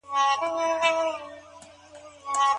چي له وخت سره کار وکړي بريالی سي